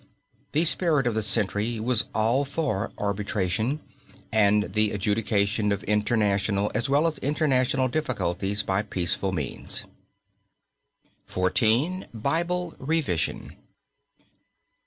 The spirit of the century was all for arbitration and the adjudication of intranational as well as international difficulties by peaceful means. XIV. BIBLE REVISION.